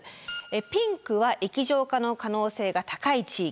ピンクは液状化の可能性が高い地域。